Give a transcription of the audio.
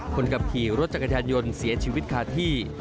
คนขับขี่รถจักรยานยนต์เสียชีวิตคาที่